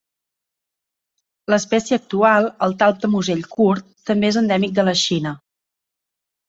L'espècie actual, el talp de musell curt, també és endèmic de la Xina.